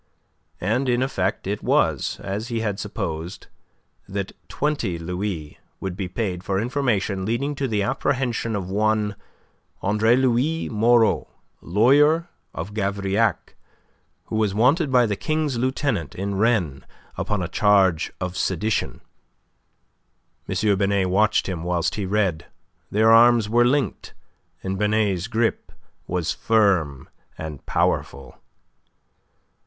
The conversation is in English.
And in effect it was, as he had supposed, that twenty louis would be paid for information leading to the apprehension of one Andre Louis Moreau, lawyer of Gavrillac, who was wanted by the King's Lieutenant in Rennes upon a charge of sedition. M. Binet watched him whilst he read. Their arms were linked, and Binet's grip was firm and powerful.